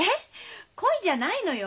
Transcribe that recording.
恋じゃないのよ。